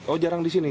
oh jarang di sini